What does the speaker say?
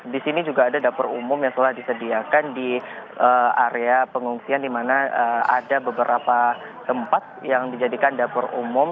di sini juga ada dapur umum yang telah disediakan di area pengungsian di mana ada beberapa tempat yang dijadikan dapur umum